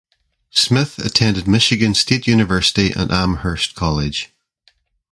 Smith attended Michigan State University and Amherst College.